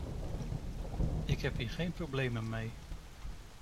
Ik heb hier geen problemen mee.